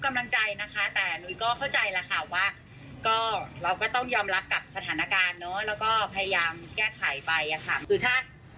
อย่างผ่านไม่มีอะไรนะคะก็คือได้นะคะแล้วก็ขอรับรองว่าทุกคนจะต้องปลอดภัยแน่นอนค่ะ